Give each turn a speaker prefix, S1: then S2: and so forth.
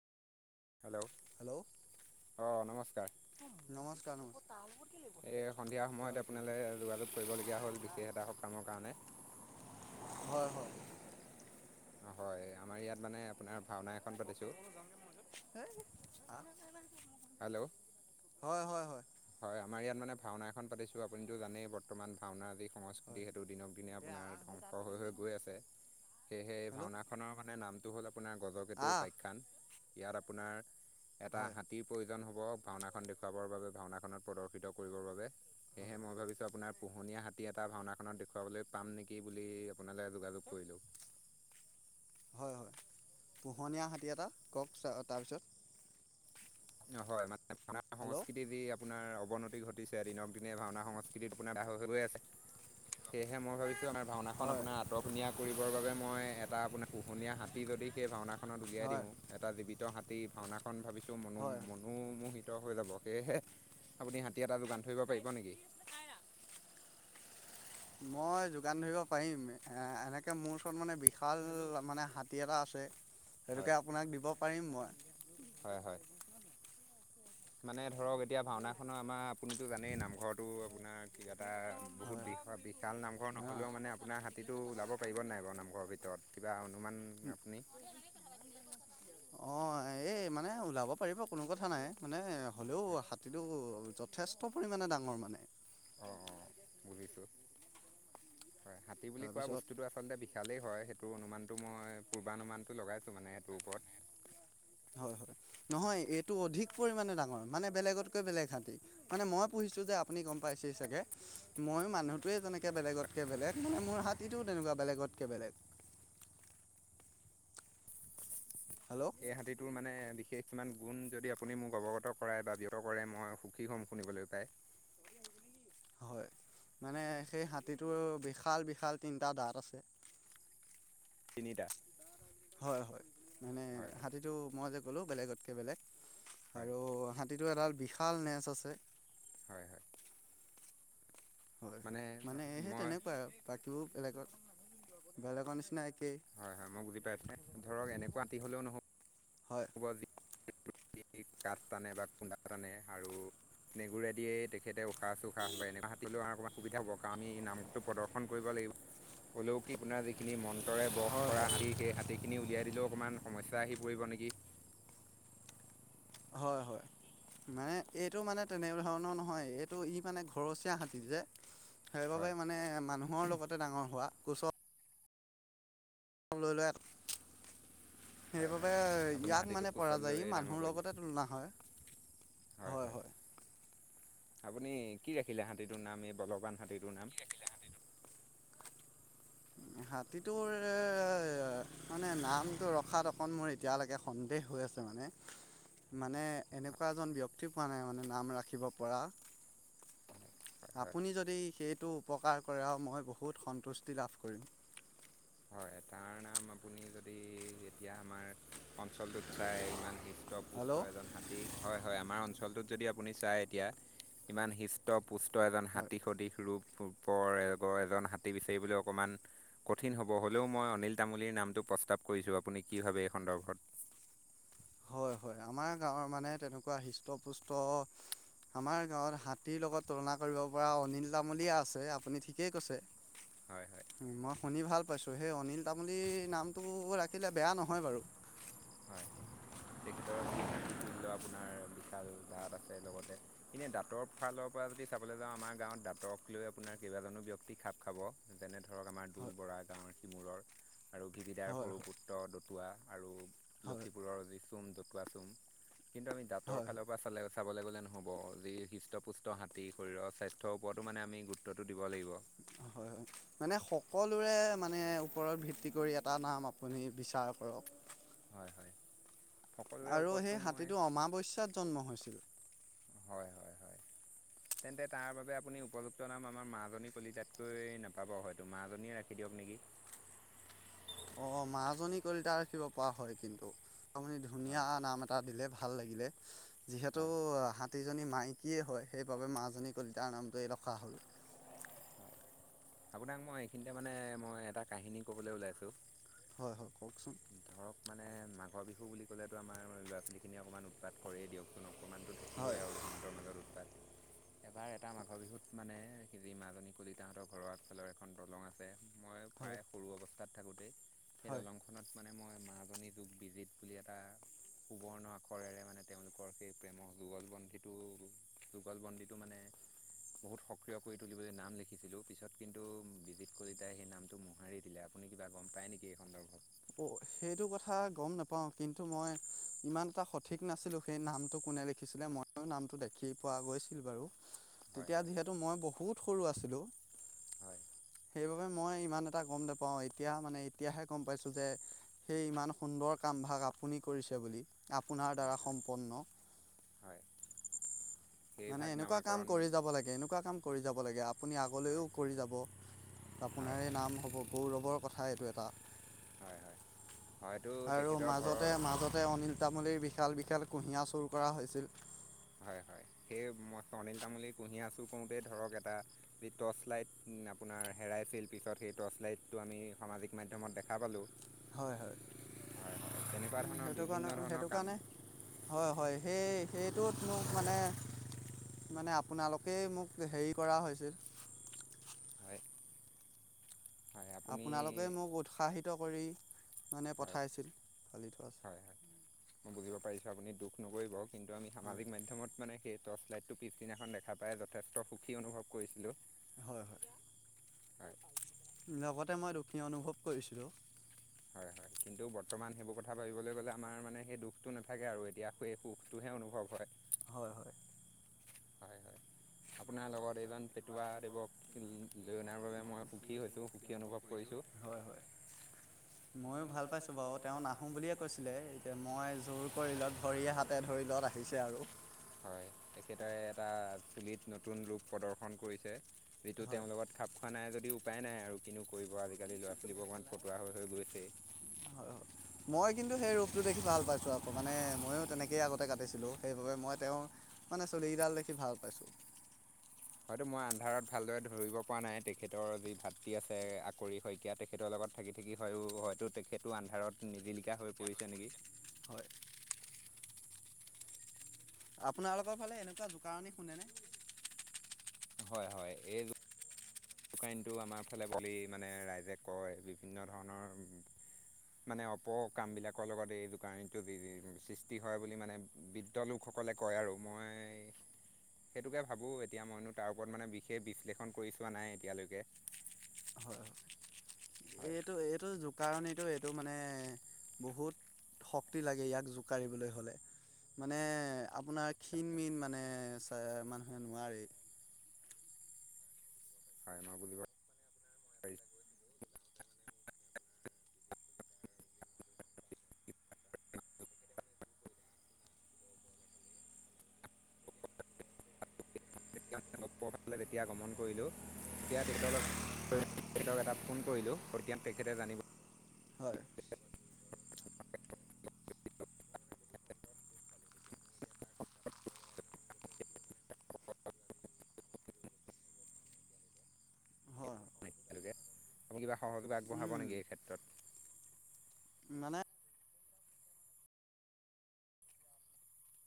S1: Hello
S2: hello
S1: অ', নমস্কাৰ।
S2: নমস্কাৰ নমস্কাৰ
S1: এই সন্ধিয়া
S2: তাৰ
S1: সময়ত
S2: আছো
S1: আপোনালৈ যোগাযোগ কৰিবলগীয়া হ'ল। বিশেষ এটা কামত। কামৰ কাৰণে।
S2: হয় হয়।
S1: অ', হয়, আমাৰ ইয়াত মানে আপোনাৰ ভাওনা এখন পাতিছোঁ।
S2: হয়।
S1: হেল্ল'
S2: হয় হয় হয়।
S1: হয়, আমাৰ ইয়াত মানে ভাওনা এখন পাতিছোঁ। আপুনিটো জানেই বৰ- বৰ্তমান ভাওনা যি
S2: হয়
S1: সংস্কৃতি, সেইটো দিনক দিনে
S2: তে
S1: আপোনাৰ
S2: আহ তাত
S1: ধ্বংস হৈ
S2: পাতিমগে
S1: হৈ
S2: নহয়
S1: গৈ আছে। সেয়েহে
S2: হেল্ল'
S1: ভাওনাখনৰ মানে নামটো হ'ল আপোনাৰ, ' গজকেতু
S2: আহ
S1: উপাখ্যান 'ইয়াত আপোনাৰ- এটা
S2: হয়
S1: হাতীৰ প্ৰয়োজন হ'ব। ভাওনাখন দেখুৱাবৰ বাবে, ভাওনাখনত প্ৰদৰ্শিত কৰিবৰ বাবে।
S2: হয়
S1: সেয়েহে মই ভাবিছোঁ আপোনাৰ পোহনীয়া হাতী এটা ভাওনাখনত দেখুৱাবলৈ পাম নেকি বুলি আপোনালে যোগাযোগ কৰিলো
S2: হয় - হয়, পোহনীয়া হাতী এটা কওক তাৰপিছত
S1: হয়, মানে [unintelligible]
S2: হেল্ল'
S1: সংস্কৃতিৰ যি আপোনাৰ অৱনতি ঘটিছে দিনক দিনে ভাওনা সংস্কৃতিত আপোনাৰ আডাই হৈ - হৈ গৈ আছে। সেহে মই ভাবিছোঁ আমাৰ ভাওনা খন
S2: হয়
S1: আপোনাৰ আঁতৰখনীয়া কৰিবৰ বাবে মই এটা আপোনাৰ পোহনীয়া হাতী যদি সেই ভাওনাখনত উলিয়াই
S2: হয়
S1: দিওঁ এটা জীৱিত হাতী ভাওনাখন ভাবিছোঁ
S2: হয়,
S1: মানু মোহিত হৈ যাব, সেয়েহে আপুনি হাতী এটা যোগান ধৰিব পাৰিব নেকি?
S2: মই যোগান ধৰিব পাৰিম, এ এনেকে মোৰ ওচৰত মানে বিশাল মানে হাতী এটা আছে।
S1: হয়
S2: সেইটোকে আপোনাক দিব পাৰিম মই।
S1: হয় - হয়। মানে ধৰক এতিয়া ভাওনাখনৰ আমাৰ আপুনিতো জানেই নামঘৰতো আপোনাৰ কিবা এটা
S2: মই
S1: বহুত বিষৰ বিষ কাৰণ নামঘৰ
S2: হয়
S1: নহ'লেও
S2: অ
S1: মানে আপোনাৰ হাতীটো জাব পাৰিব নাই বাৰু নামঘৰৰ ভিতৰত কিবা অনুমান আপুনি?
S2: অ', এই মানে ন' ওলাব পাৰিব কোনো কথা নাই মানে হ'লেও হাতীটো যথেষ্ট পৰিমাণে ডাঙৰ মানে।
S1: অ', অ', বুজিছোঁ হয়, হাতী বুলি কোৱা
S2: তাৰপিছত
S1: বস্তুটো আছে আচলতে বিশালেই হয়, সেইটো অনুমানটো মই পূৰ্বানুমানটো লগাইছো মানে এইটোৰ ওপৰত।
S2: হয় - হয়, নহয় এইটো অধিক পৰিমাণে ডাঙৰ মানে বেলেগতকৈ বেলেগ হাতী। মানে মই পুহিছোঁ যে আপুনি গম পাইছে চাগে। মই মানুহটোৱে তেনেকে বেলেগতকে বেলেগ মানে মোৰ হাতীটো তেনেকুৱা বেলেগতকে বেলেগ। হেল্ল।
S1: এই হাতীটোৰ মানে বিশেষ ইমান গুণ যদি আপুনি মোক অৱগত কৰায় বা ব্যত কৰে মই সুখী হ'ম শুনিবলৈ পায়।
S2: হয়, মানে সেই হাতীটোৰ বিশাল - বিশাল তিনটা দাঁত আছে।
S1: তিনিটা।
S2: হয় - হয়, মানে
S1: হয় হয়
S2: হাতীটো মই যে ক'লো বেলেগতকৈ বেলেগ
S1: হয়
S2: আৰু হা হাতীটোৰ এডাল বিশাল নেচ আছে।
S1: হয় - হয়।
S2: হয় - হয়, মানে সেই
S1: মই
S2: তেনেকুৱা আৰু বাকীবোৰ বেলেগত বেলেগৰ নিচিনা একেই।
S1: হয় - হয়, মই বুজি পাইছোঁ ধৰক এনেকুৱা হাতী হলেও
S2: হয়
S1: নহ'ব [unintelligible] কাঠ টানে বা কুন্দা টানে আৰু নেগুৰেদিয়েই তেখতে উশাহ চুশাহ লয়, এনেকুৱা হাতী হলেও আৰু অকণমান সুবিধা হ'ব কাৰণ আমি নাম টো প্ৰদৰ্শন কৰিব লাগিব হ'লেও কি আপোনাৰ যিখিনি মন ৰে বস
S2: হয়
S1: কৰা
S2: হয়
S1: হাতী সেই হাতীখিনি উলিয়াই দিলেও অকণমান সমস্যা আহি পৰিব নেকি?
S2: হয় - হয়। মানে এইটো মানে তেনে ধৰণৰ নহয় এইটো ই মানে ঘৰচীয়া হাতী যে। সেইবাবে
S1: হয়
S2: মানে মানুহৰ লগতে ডাঙৰ হোৱা কুচ লৈ
S1: হয় হয়
S2: সেইবাবে
S1: আপুনি
S2: ইয়াক
S1: হাতীটোক
S2: মানে
S1: কোচত
S2: পৰা যায়
S1: লৈ
S2: ই
S1: ডাঙৰ
S2: মানুহৰ
S1: কৰিলে
S2: লগতে তুলনা হয়।
S1: হয় - হয়। আপুনি কি ৰাখিলে হাতীটোৰ নাম এই বলৱান হাতীটোৰ নাম?
S2: হাতীটোৰ আ, মানে নামটো ৰখাত অকণ মোৰ এতিয়ালৈকে। সন্দেহ হৈ আছে মানে। মানে এনেকুৱা এজন ব্যয়ক্তি পোৱা নাই মানে নাম ৰাখিব পৰা।
S1: হয় হয়
S2: আপুনি যদি সেইটো। উপকাৰ কৰে আৰু মই বহুত সন্তুষ্টি লাভ কৰিম।
S1: হয়, তাৰ নাম আপুনি যদি এতিয়া আমাৰ অঞ্চলটোত চাই ইমান হিষ্ট পুষ্ট
S2: হেল্ল'
S1: এজন হাতী হয় - হয়, আমাৰ অঞ্চলটোত যদি আপুনি চায় এতিয়া ইমান হিষ্ট পুষ্ট এজন
S2: হয়
S1: হাতী সদৃশ ৰূপূপৰ এজন হাতী, বিচাৰিবলৈ অকণমান কঠিন হ'ব, হ'লেও মই অনিল তামুলীৰ নামটো প্ৰস্তাৱ কৰিছো আপুনি কি ভাবে এই সন্দৰ্ভত?
S2: হয় হয়, আমাৰ গাঁৱৰ মানে তেনেকুৱা হৃষ্টপুষ্ট আমাৰ গাঁৱত হাতীৰ লগত তুলনা কৰিব পৰা অনিল তামলীয়া আছে, আপুনি ঠিকেই কৈছে।
S1: হয় হয়।
S2: মই শুনি ভাল পাইছোঁ সেই অনিল তামুলীৰ নামটো ৰাখিলে বেয়া নহয় বাৰু।
S1: হয় তেখেতৰ যি হাতী তুল্য আপোনাৰ বিশাল দাঁত আছে লগতে। এনে দাঁতৰ ফালৰ পৰা যদি চাবলৈ যাওঁ আমাৰ গাঁওত দাঁতক লৈ আপোনাৰ কেইবাজনো ব্যক্তি খাপ খাব। যেনে ধৰক আমাৰ দোল
S2: হয়
S1: বৰা, গাঁওৰ সিমূৰৰ আৰু ভভিদাৰ
S2: হয় হয়
S1: সৰু পুত্ৰ দতুৱা, আৰু
S2: হয় হয়
S1: লখিপুৰৰ যি চুম দতুৱা চুম। কিন্তু, আমি দাঁতৰৰ
S2: হয়
S1: ফালৰ পৰা চালে চাবলৈ গ'লে নহ'ব যি হৃষ্টপুষ্ট হাতী শৰীৰৰ স্বাস্থ্য তৰ ওপৰটো মানে আমি গুৰুত্বটো দিব লাগিব।
S2: হয় হয় মানে সকলোৰে মানে ওপৰত ভিত্তি কৰি এটা নাম আপুনি বিচাৰ কৰক।
S1: হয় হয়। সকলোৰে
S2: আৰু
S1: ওপৰততো
S2: সেই
S1: মই
S2: হাতীটো অমাৱস্যাত জন্ম হৈছিল।
S1: হয় হয় হয়। তেন্তে তাৰ বাবে আপুনি উপযুক্ত নাম আমাৰ মাজনী কলিতাতকৈ নাপাব হয়তো, মাজনীয়ে ৰাখি দিয়ক নেকি?
S2: অ', মাজী কলিতা ৰাখিব পৰা হয় কিন্তু। আপুনি ধুনীয়া
S1: হয়
S2: নাম এটা দিলে ভাল লাগিলে। যিহেতু
S1: হয়।
S2: হাতীজনী মাইকীয়ে হয়, সেইবাবে মাজনী কলিতাৰ নামটোৱেই ৰখা হ'ল
S1: থাকো দাক মই এইখিনিতে মানে মই এটা কাহিনী ক'বলৈ ওলাইছোঁ
S2: হয় হয় কওঁকচোন।
S1: ধৰক মানে মাঘৰ বিহু বুলি ক'লেটো আমাৰ ল'ৰা ছোৱালীখিনিয়ে অকণমান উৎপাত কৰেই দিয়কচোন অকণমানটো থাকিবই
S2: হয়
S1: আৰু সিহঁতৰ মাজত উৎপাত। এবাৰ এটা মাঘৰ বিহুত মানে সি যি মাজনী কলিতাহাঁঁতৰ ঘৰৰ আগফালৰ এখন দলং আছে মই
S2: হয়
S1: প্ৰায় সৰু অৱস্থাত থাকোতেই সেই
S2: হয়
S1: দলং খনত মানে মই মাজনী যুগ বিজিত বুলি এটা সুবৰ্ণ আখৰেৰে মানে তেওঁলোকৰ সেই প্ৰেমৰ যুগল বন্ধীটো যুগল বন্দিটো মানে বহুত সক্ৰিয় কৰি তুলিবলৈ নাম লিখিছিলোঁ, পিছত কিন্তু বিজিত কলিতাই সেই নামটো মোহাৰি দিলে। আপুনি কিবা গম পায় নেকি এই সন্দৰ্ভত?
S2: অ', সেইটো কথা গম নাপাওঁ কিন্তু, মই ইমান এটা সঠিক নাছিলোঁ সেই নামটো কোনে লি ছিলে ময়ো নামটো দেখি পোৱা গৈছিল বাৰু।
S1: হয়
S2: তেতিয়া
S1: হয়
S2: যিহেতু মই বহুত সৰু আছিলোঁ।
S1: হয়
S2: সেইবাবে মই ইমান এটা গম নাপাওঁ এতিয়া, মানে এতিয়াহে গম পাইছোঁ যে সেই ইমান সুন্দৰ কামভাগ আপুনি কৰিছে বুলি, আপোনাৰ
S1: হয়
S2: দ্বাৰা
S1: হয়
S2: সম্পন্ন
S1: হয়
S2: মানে
S1: সেইভাগ
S2: এনেকুৱা কাম
S1: নামাকৰণ
S2: কৰি যাব লাগে, এনেকুৱা কাম কৰি যাব লাগে, আপুনি আগলৈও
S1: হয়
S2: কৰি যাব
S1: হয়
S2: আপোনাৰে নাম হ'ব গৌৰৱৰ কথা এইটো এটা।
S1: হয় হয় হয়তো
S2: আৰু
S1: তেখেতৰ ঘৰৰ
S2: মাজতে মাজতে, অনিল তামুলীৰ বিশষ খেল বিশেল [inaudible] কুঁহিয়া চুৰ কৰা হৈছিল
S1: হয় হয়, সেই মই অনিল তামুলীৰ কুঁহিয়া চুৰ কৰোঁতেই ধৰক এটা যি টৰ্চ লাইট আপোনাৰ হেৰাইছিল, পিছত সেই টৰ্চ লাইটটো আমি সামাজিক মাধ্যমত দেখা পালোঁ
S2: হয় হয়,
S1: তেনেকুৱা ধৰণৰ
S2: সেইটো
S1: বিভিন্ন
S2: কাৰণে,
S1: ধৰণৰ
S2: সেইটো
S1: কাম
S2: কাৰণে হয় হয়, সেই সেইটোত, মোক মানে মানে আপোনালোকেই মোক হেৰি কৰা হৈছিল
S1: হয়। হয় আপুনি
S2: আপোনালোকে মোক উৎসাহিত কৰি মানে
S1: হয়
S2: পঠাইছিল, পালি থোৱাছে [unintelligible]
S1: হয় হয় মই বুজিব পাৰিছোঁ আপুনি দুখ নকৰিব কিন্তু, আমি সামাজ
S2: হয়
S1: মাধ্যমত মানে সেই টৰ্চ লাইট টো ফিফটিন এখন দেখা পাই যথেষ্ট সুখী অনুভৱ কৰিছিলোঁ।
S2: হয় হয়।
S1: হয়।
S2: লগতে মই দুখী অনুভৱ কৰিছিলোঁ।
S1: হয় হয় কিন্তু বৰ্তমান সেইবোৰ কথা ভাবিবলৈ গ'লে আমাৰ মানে সেই দুখটো নাথাকে আৰু এতিয়া। সুখেই সুখটোহে অনুভৱ হয়।
S2: হয় হয়।
S1: হয় হয়। আপোনাৰ লগত এইজন পেটৱা দেৱক লৈ অনাৰ বাবে মই সুখী হৈছোঁ, সুখী অনুভৱ কৰিছোঁ।
S2: হয় হয়। ময়ো ভাল পাইছোঁ বাৰু, তেওঁ নাহো বুলিয়ে কৈছিলে। এতিয়া মই জোৰ কৰিলত, ভৰি হাতে ধৰিলত আহিছে আৰু।
S1: হয়, তেখেতে এটা চুলিত নতুন ৰূপ প্ৰদৰ্শন কৰিছে। যিটো
S2: হয়
S1: তেওঁৰ লগত খাপ হোৱা নাই যদিও উপায় নাই আৰু কিনো কৰিব আজিকালি ল'ৰা ছোৱালীবোৰ অকমান ফটোৱা হৈ গৈছেই।
S2: হয় হয় মই কিন্তু সেই ৰূপটো দেখি ভাল পাইছোঁ আকৌ মানে ময়ো তেনেকৈয়ে আগতে কাটিছিলোঁ সেইবাবে মই তেওঁ মানে চুলিকেইডাল দেখি ভাল পাইছোঁ।
S1: হয়তো মই আন্ধাৰত ভালদৰে ধৰিব পৰা নাই, তেখেতৰ যি ভাতৃ আছে আকৰি শইকীয়া তেখ তেখেতৰ লগত থাকি থাকি হয় হয়তো তেখেতো আন্ধাৰত নিজিলিকা হৈ পৰিছে নেকি।
S2: হয় আপোনালোকৰ ফালে এনেকুৱা জোকাৰণি শুনেনে?
S1: হয় হয়, এই জু জোকাৰিনটো আমাৰ ফালে বুলি মানে ৰাইজে কয় বিভিন্ন ধৰণৰ মানে অপ কামবিলাকৰ লগত এই জোকাৰনীটোত বি বি সৃষ্টি হয় বুলি মানে বিদ ত' লোকসকলে কয় আৰু। মই সেইটোকে ভাবোঁ, এতিয়া মইনো তাৰ ওপৰত মানে বিশেষ বিশ্লেষণ কৰি চোৱা নাই এতিয়ালৈকে।
S2: হয়।
S1: হয়
S2: এইটো এইটো জোকাৰণিটো এইটো মানে বহুত শক্তি লাগে ইয়াক জোকাৰিবলৈ হ'লে। মানে আপোনাৰ ক্ষীণ মীন মানে চা মানুহে নোৱাৰে।
S1: খাই মা বুলি কৈ [unintelligible] যেতিয়া গ্ৰমন কৰিলোঁ তেতিয়া তেখেতৰ লগত তেখেতক এটা ফোন কৰিলো ফুৰ্তিয়ান তেখেতে জানিব।
S2: হয়।
S1: [unintelligible]
S2: হয়
S1: মানে একেলগে, আপুনি কিবা সহযোগ আগবঢ়াব
S2: উম
S1: নেকি এই ক্ষেত্ৰত?
S2: মানে